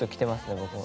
僕も。